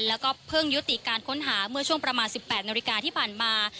แล้วก็เพิ่งยุติการค้นหาเมื่อช่วงประมาณ๑๘นาฬิกาที่ผ่านมา